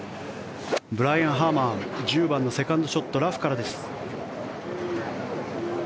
ブライアン・ハーマン１０番のセカンドショットラフからです。